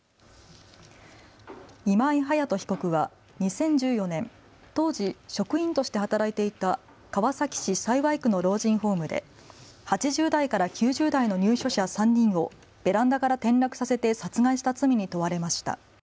今井隼人被告は２０１４年、当時職員として働いていた川崎市幸区の老人ホームで８０代から９０代の入所者３人をベランダから転落させて殺害した罪に問われました。